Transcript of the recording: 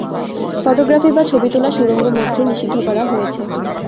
Photography বা ছবি তোলা সুড়ঙ্গ মধ্যে নিষিদ্ধ করা হয়েছে।